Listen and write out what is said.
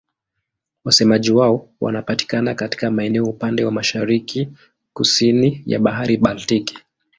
Wasemaji wao wanapatikana katika maeneo upande wa mashariki-kusini ya Bahari Baltiki.